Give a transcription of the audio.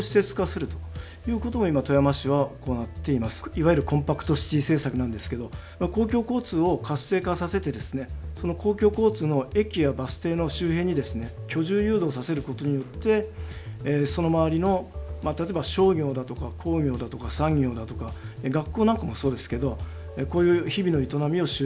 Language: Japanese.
いわゆるコンパクトシティ政策なんですけど公共交通を活性化させてですねその公共交通の駅やバス停の周辺に居住誘導させることによってその周りの例えば商業だとか工業だとか産業だとか学校なんかもそうですけどこういう日々の営みを集中させていくと。